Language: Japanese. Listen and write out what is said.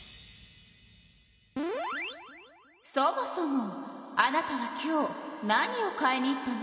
そもそもあなたは今日何を買いに行ったの？